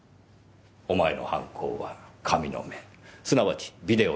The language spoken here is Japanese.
お前の犯行は神の目すなわちビデオに収めた。